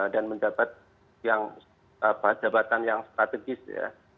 dan mendapat yang apa jabatan yang strategis ya